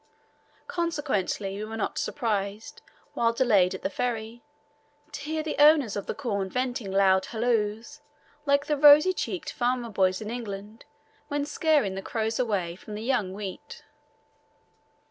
Consequently, we were not surprised, while delayed at the ferry, to hear the owners of the corn venting loud halloos, like the rosy cheeked farmer boys in England when scaring the crows away from the young wheat.